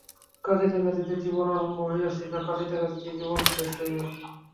কাঁদিতে কাঁদিতে জীবন আরম্ভ হইয়াছিল, কাঁদিতে কাঁদিতেই জীবন শেষ হইবে।